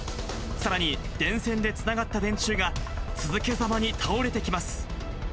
さらに、電線でつながった電柱が続けざまに倒れてきます。